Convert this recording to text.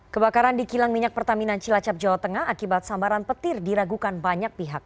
kebakaran di kilang minyak pertamina cilacap jawa tengah akibat sambaran petir diragukan banyak pihak